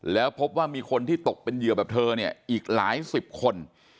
แล้วพบว่ามีคนที่ตกเป็นเหยื่อแบบเธอเนี่ยอีกหลายสิบคน